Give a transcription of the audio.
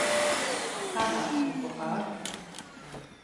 Арат уи гугъэр?